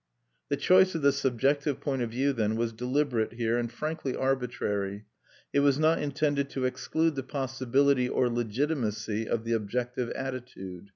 The choice of the subjective point of view, then, was deliberate here, and frankly arbitrary; it was not intended to exclude the possibility or legitimacy of the objective attitude.